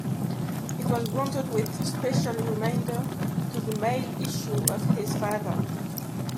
It was granted with special remainder to the male issue of his father.